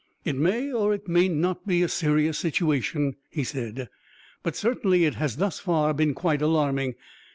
"It may or may not be a serious situation," he said, "but certainly it has thus far been quite alarming.